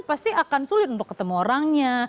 pasti akan sulit untuk ketemu orangnya